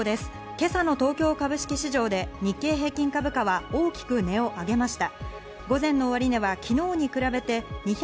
今朝の東京株式市場で日経平均株価は大きく値を上げました。